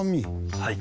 はい。